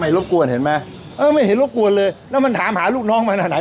รบกวนเห็นไหมเออไม่เห็นรบกวนเลยแล้วมันถามหาลูกน้องมาจากไหน